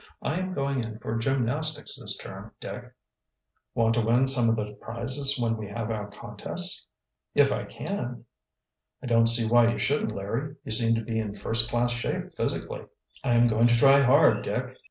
"I am going in for gymnastics this term, Dick." "Want to win some of the prizes when we have our contests?" "If I can." "I don't see why you shouldn't, Larry. You seem to be in first class shape physically." "I am going to try hard, Dick."